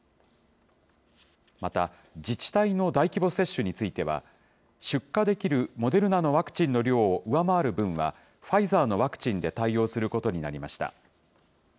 また、自治体の大規模接種については、出荷できるモデルナのワクチンの量を上回る分は、ファイザーのワクチンで対応することになりました。